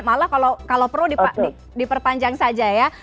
malah kalau perlu diperpanjang saja ya